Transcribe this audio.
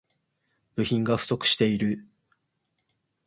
部品が不足している